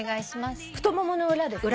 太ももの裏です。